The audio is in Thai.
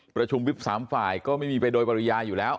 ประชุมวิบ๓ฝ่ายก็ไม่มีไปโดยปริญญาอยู่แล้ว